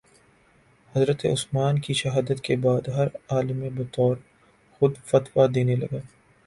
حضرت عثمان کی شہادت کے بعد ہر عالم بطورِ خود فتویٰ دینے لگا